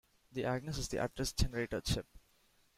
The Agnus is the Address Generator Chip.